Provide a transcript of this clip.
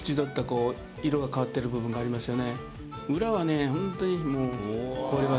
こう色が変わってる部分がありますよね。